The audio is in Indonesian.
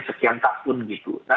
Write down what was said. sekian tak pun